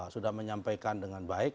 sudah menyampaikan dengan baik